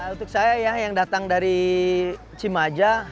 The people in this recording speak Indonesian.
untuk saya ya yang datang dari cimaja